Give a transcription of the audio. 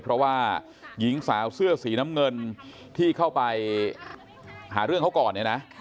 เพราะว่าหญิงสาวเสื้อสีน้ำเงินที่เข้าไปหาเรื่องเขาก่อนเนี่ยนะ